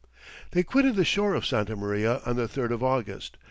] They quitted the shore of Santa Maria on the 3rd of August.